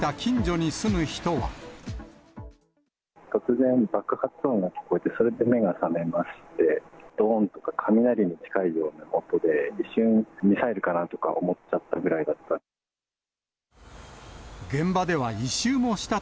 突然、爆発音が聞こえて、それで目が覚めまして、どーんとか、雷に近いような音で、一瞬、ミサイルかなとか思っちゃったぐらいだった。